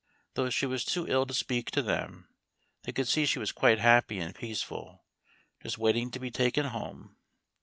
Though she was too ill to speak to them, they could see she was quite happy and peaceful, just waiting to be taken Home.